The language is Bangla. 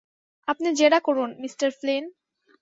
আপনি জেরা করুন, মিস্টার ফ্লিন।